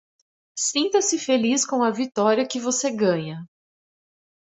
Sinta-se feliz com a vitória que você ganha.